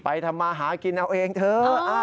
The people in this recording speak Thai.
ทำมาหากินเอาเองเถอะ